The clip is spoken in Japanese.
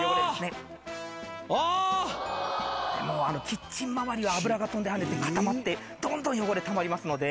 キッチン周りは油が飛んではねて固まってどんどん汚れたまりますので。